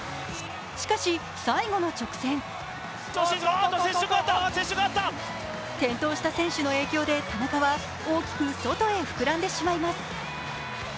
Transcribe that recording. しかし、最後の直線転倒した選手の影響で田中は大きく外へ膨らんでしまいます。